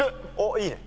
いいね。